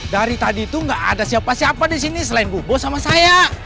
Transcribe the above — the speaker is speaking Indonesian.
dari tadi itu nggak ada siapa siapa di sini selain bubo sama saya